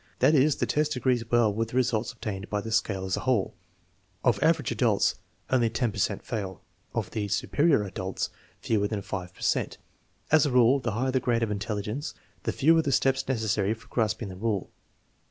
That is, the test agrees well with the results obtained by the scale as a whole. Of " average adults " only 10 per cent fail; and of " superior adults," fewer than 5 per cent. As a rule, the higher the grade of intelligence, the fewer the steps necessary for grasping the rule.